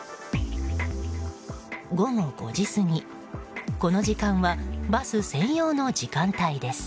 午後５時過ぎ、この時間はバス専用の時間帯です。